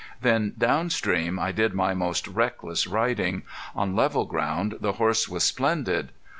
Then, down stream, I did my most reckless riding. On level ground the horse was splendid.